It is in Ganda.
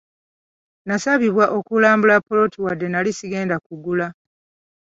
Nasabibwa okulambula ppoloti wadde nali sigenda kugigula.